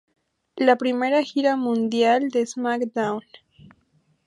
La primera gira mundial de SmackDown!